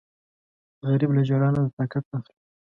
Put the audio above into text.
غریب له ژړا نه طاقت اخلي